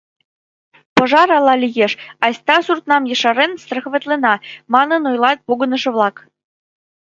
— Пожар ала лиеш, айста суртнам ешарен страховатлена, — манын ойлат погынышо-влак.